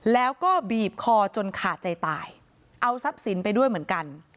แล้วก็บีบคอจนขาดใจตายเอาทรัพย์สินไปด้วยเหมือนกัน